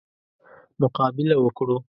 مقابله وکړو.